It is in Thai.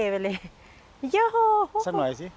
ยัลหลัย